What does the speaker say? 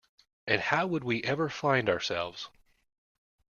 And how would we ever find ourselves.